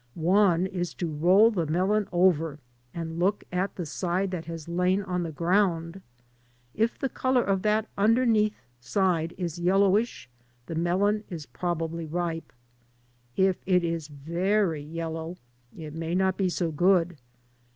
One is to roll the melon over and look at the side that has lain on the ground. If the color of that underneath side is yel lowish the melon is probably ripe. If it is very yellow it may not be so good.